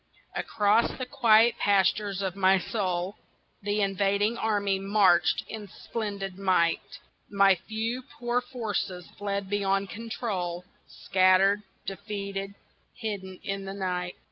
ACROSS the quiet pastures of my soul The invading army marched in splendid might My few poor forces fled beyond control, Scattered, defeated, hidden in the night.